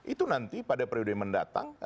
itu nanti pada prio dia mendatang